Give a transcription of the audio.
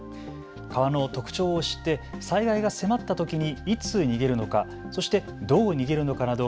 川の特徴を知って災害が迫ったときにいつ逃げるのか、そしてどう逃げるのかなど